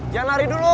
jangan lari dulu